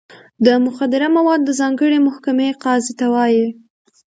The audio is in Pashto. د مخدره موادو د ځانګړې محکمې قاضي ته وایي.